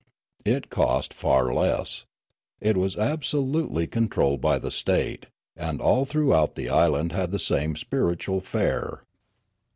It cost far less. It was absolutely controlled by the state, and all throughout the island had the same spiritual fare.